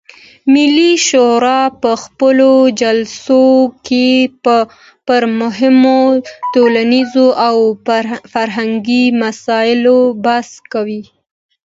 ملي شورا په خپلو جلسو کې پر مهمو ټولنیزو او فرهنګي مسایلو بحث کاوه.